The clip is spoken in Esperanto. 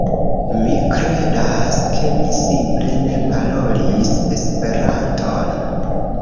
Mi kredas, ke mi simple ne parolis Esperanton.